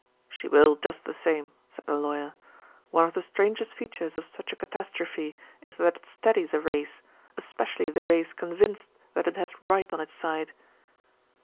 "She will, just the same," said the Lawyer. "One of the strangest features of such a catastrophe is that it steadies a race, especially the race convinced that it has right on its side."